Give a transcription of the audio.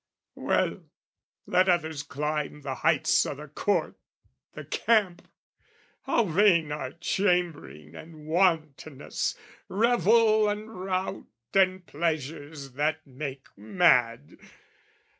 Well, Let others climb the heights o' the court, the camp! How vain are chambering and wantonness, Revel and rout and pleasures that make mad!